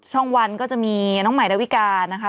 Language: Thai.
ช่องวันก็จะมีน้องใหม่ดาวิกานะคะ